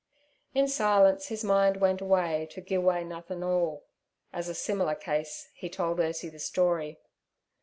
In silence his mind went away to 'Gi' Away Nothin"All' and as a similar case he told Ursie the story.